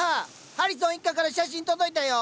ハリソン一家から写真届いたよ。